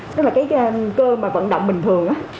đó là cơ vận động bình thường